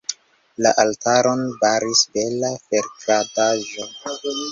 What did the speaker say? La altaron baris bela ferkradaĵo.